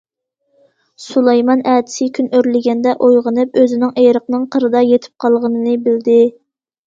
سۇلايمان ئەتىسى كۈن ئۆرلىگەندە ئويغىنىپ، ئۆزىنىڭ ئېرىقنىڭ قىرىدا يېتىپ قالغىنىنى بىلدى.